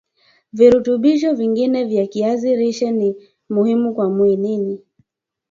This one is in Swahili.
virutubisho vingine vya kiazi lishe ni muhimu kwa mwilini